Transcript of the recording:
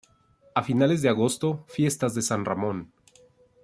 A finales de agosto, fiestas de San Ramón.